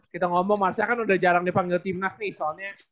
kita ngomong marsha kan udah jarang dipanggil timnas nih soalnya